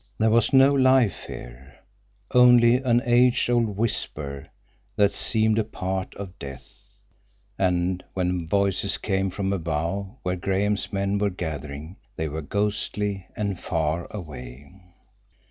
There was no life here—only an age old whisper that seemed a part of death; and when voices came from above, where Graham's men were gathering, they were ghostly and far away.